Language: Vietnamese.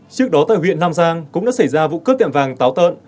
trước đó tại huyện nam giang cũng đã xảy ra vụ cướp tiệm vàng táo tợn